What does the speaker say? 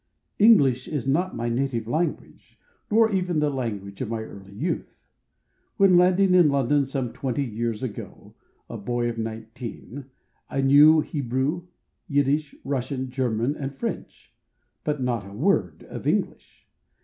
English is not my native language, not even the language of my early youth. When landing in Lon¬ don some twenty years ago, a boy of nineteen, I knew Hebrew, Yiddish, Russian, German and French, but not a word of English.